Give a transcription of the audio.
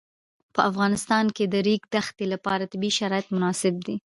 په افغانستان کې د د ریګ دښتې لپاره طبیعي شرایط مناسب دي.